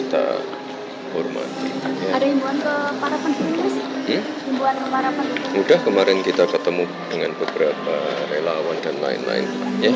terima kasih sudah kemarin kita ketemu dengan beberapa relawan dan lain lain